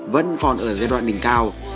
vẫn còn ở giai đoạn đỉnh cao